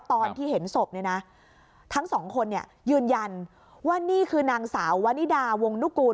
ตอนที่เห็นศพเนี่ยนะทั้งสองคนเนี่ยยืนยันว่านี่คือนางสาววนิดาวงนุกูล